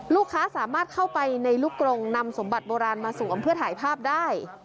ลูกค้าสามารถเข้าไปในลูกกรงนำสมบัติโบราณมาสวมเพื่อถ่ายภาพได้